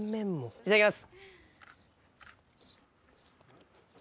いただきます。